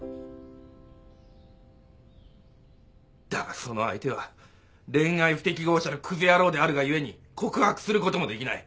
だがその相手は恋愛不適合者のくず野郎であるが故に告白することもできない。